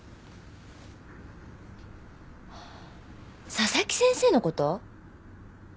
佐々木先生の事？